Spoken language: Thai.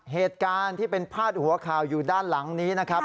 เหตุการณ์ที่เป็นพาดหัวข่าวอยู่ด้านหลังนี้นะครับ